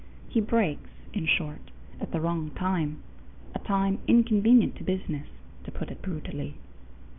He breaks, in short, at the wrong time a time inconvenient to business, to put it brutally.